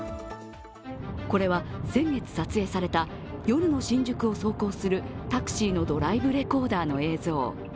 これは、先月撮影された夜の新宿を走行するタクシーのドライブレコーダーの映像。